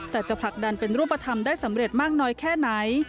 แต่จะผลักดันเป็นรูปธรรมได้สำเร็จมากน้อยแค่ไหน